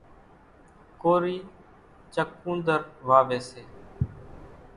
ڪورِي چڪونۮر واويَ سي۔